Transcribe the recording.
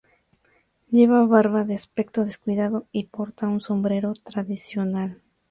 Lleva barba de aspecto descuidado, y porta un sombrero tradicional.